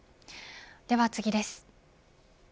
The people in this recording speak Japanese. では次です。